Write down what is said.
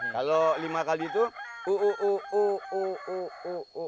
kalau lima kali tuh